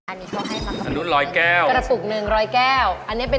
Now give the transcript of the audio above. อันนี้เขาให้มากกว่า๑๐๐แก้ว